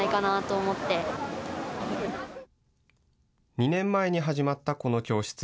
２年前に始まったこの教室。